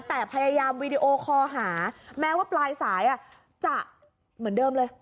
แต่พยายามวีดีโอคอหาแม้ว่าปลายสายจะเหมือนเดิมเลย